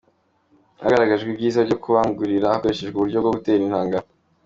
Hagaragajwe ibyiza byo kubangurira hakoreshejwe uburyo bwo gutera intanga.